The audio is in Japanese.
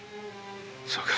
そうか。